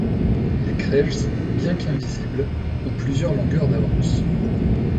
Les Krells, bien qu'invisibles, ont plusieurs longueurs d'avance...